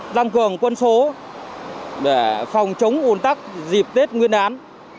tăng cường quân số để phòng chống ồn tắc dịp tết nguyên án